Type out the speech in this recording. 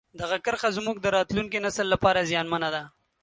دغه کرښه زموږ د راتلونکي نسل لپاره زیانمنه ده.